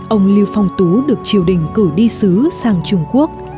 ông lưu phong tú được triều đình cử đi xứ sang trung quốc